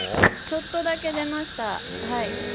ちょっとだけ出ましたはい。